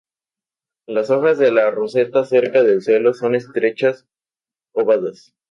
Las hojas de la roseta cerca del suelo son estrechas-ovadas.